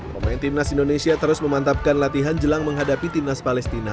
pemain timnas indonesia terus memantapkan latihan jelang menghadapi timnas palestina